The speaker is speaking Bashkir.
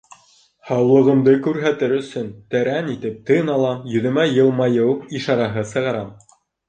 Һаулығымды күрһәтер өсөн, тәрән итеп тын алам, йөҙөмә йылмайыу ишараһы сығарам.